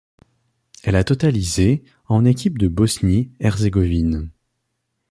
Elle a totalisė en équipe de Bosnie-Herzégovine.